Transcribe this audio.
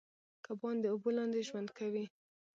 کبان د اوبو لاندې ژوند کوي